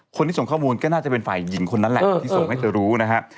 คนที่ส่งข้อมูลก็น่าจะเป็นฝ่ายหญิงคนนั้นแหละที่ส่งให้เธอรู้นะฮะ